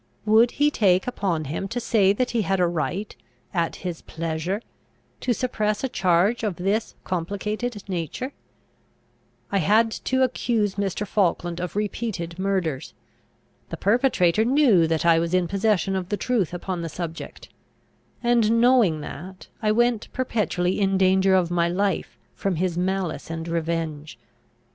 Would he take upon him to say that he had a right, at his pleasure, to suppress a charge of this complicated nature? I had to accuse Mr. Falkland of repeated murders. The perpetrator knew that I was in possession of the truth upon the subject; and, knowing that, I went perpetually in danger of my life from his malice and revenge.